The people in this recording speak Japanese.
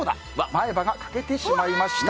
前歯が欠けてしまいました。